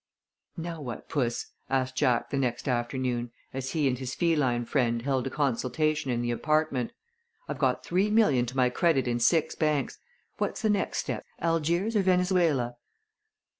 "Now what, Puss?" asked Jack the next afternoon, as he and his feline friend held a consultation in the apartment. "I've got three million to my credit in six banks. What's the next step Algiers or Venezuela?"